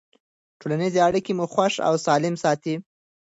ټولنیزې اړیکې مو خوښ او سالم ساتي.